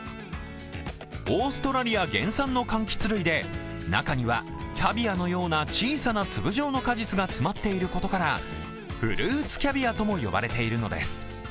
オーストラリア原産の柑橘類で中には、キャビアのような小さな粒状の果実が詰まっていることからフルーツキャビアとも呼ばれているのです。